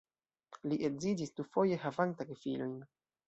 Li edziĝis dufoje havanta gefilojn.